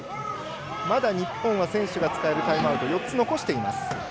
まだ日本は選手が使えるタイムアウトを４つ残しています。